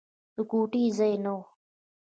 د ګوتې ځای نه و.